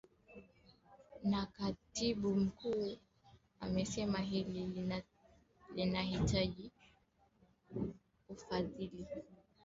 Na katibu mkuu anasema hili linahitaji ufadhili